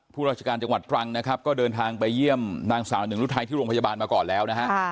ผู้ราชการจังหวัดตรังนะครับก็เดินทางไปเยี่ยมนางสาวหนึ่งรุทัยที่โรงพยาบาลมาก่อนแล้วนะฮะ